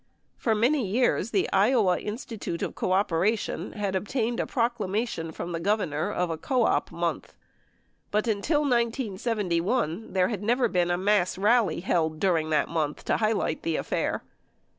For many years the Iowa Institute of Cooperation had obtained a proclamation from the Governor of a Co Op Month. But until 1971, there had never been a mass rally held during that month to highlight the affair.